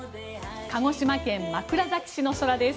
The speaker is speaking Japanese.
鹿児島県枕崎市の空です。